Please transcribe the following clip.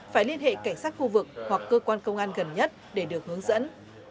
phải liên hệ cảnh sát khu vực hoặc cơ quan công an gần nhất để được hướng dẫn